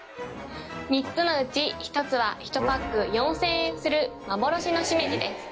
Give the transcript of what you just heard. ３つのうち１つは１パック４０００円する幻のシメジです。